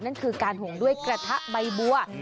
นั่นคือการห่วงด้วยกระทะใบบัว